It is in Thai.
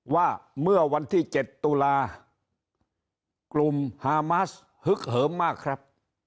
ว่าเมื่อวันที่๗ตุลากลุ่มฮามาสฮึกเหิมมากครับ